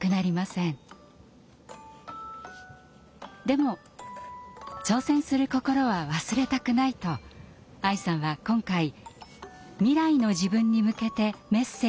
でも「挑戦する心は忘れたくない」と愛さんは今回未来の自分に向けてメッセージをつづりました。